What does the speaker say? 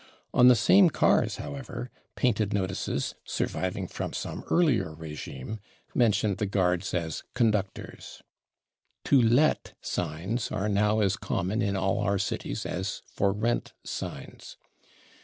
On the same cars, however, painted notices, surviving from some earlier régime, mentioned the guards as /conductors/. /To Let/ signs are now as common in all our cities as /For Rent/ signs.